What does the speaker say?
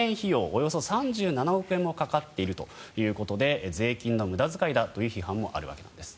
およそ３７億円もかかっているということで税金の無駄遣いだという批判もあるわけなんです。